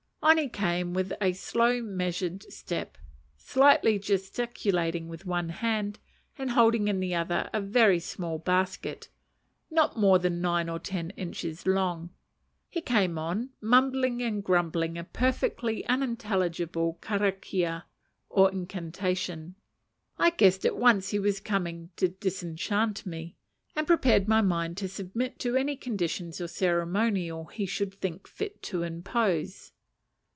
On he came, with a slow, measured step, slightly gesticulating with one hand, and holding in the other a very small basket, not more than nine or ten inches long. He came on, mumbling and grumbling a perfectly unintelligible karakia or incantation. I guessed at once he was coming to disenchant me, and prepared my mind to submit to any conditions or ceremonial he should think fit to impose.